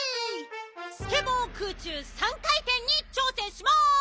スケボー空中３かいてんにちょうせんします！